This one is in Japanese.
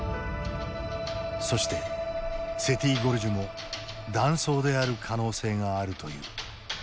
そしてセティ・ゴルジュも断層である可能性があるという。